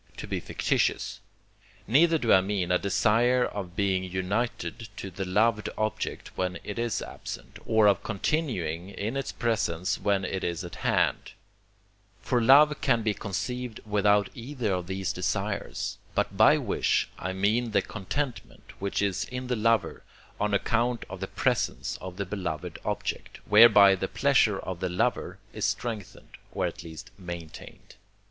to be fictitious); neither do I mean a desire of being united to the loved object when it is absent, or of continuing in its presence when it is at hand; for love can be conceived without either of these desires; but by wish I mean the contentment, which is in the lover, on account of the presence of the beloved object, whereby the pleasure of the lover is strengthened, or at least maintained.